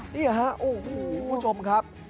นี่หนะอุ้ยคุณผู้ชมครับ